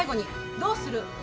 どうする！